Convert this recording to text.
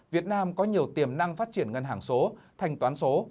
việt nam có nhiều tiềm năng phát triển ngân hàng số thanh toán số